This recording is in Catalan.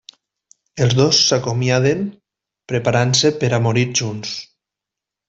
Els dos s'acomiaden, preparant-se per a morir junts.